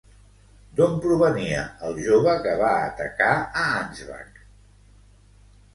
D'on provenia el jove que va atacar a Ansbach?